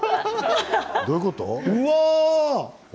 どういうこと？